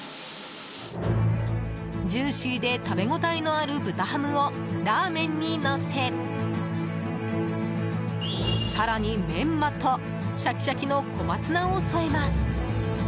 ジューシーで食べ応えのある豚ハムをラーメンにのせ更にメンマとシャキシャキの小松菜を添えます。